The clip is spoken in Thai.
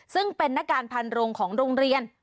ซึ่งเป็นนักการพันโรงของโรงเรียน